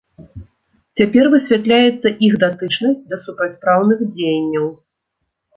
Цяпер высвятляецца іх датычнасць да супрацьпраўных дзеянняў.